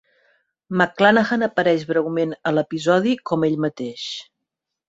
McClanahan apareix breument al episodi com a ell mateix.